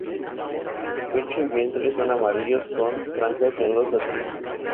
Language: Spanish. Su pecho y vientre son amarillos con franjas en los laterales.